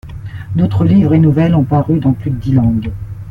D'autres livres et nouvelles ont paru dans plus de dix langues.